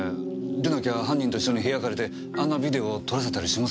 でなきゃ犯人と一緒に部屋借りてあんなビデオを撮らせたりしませんもんね。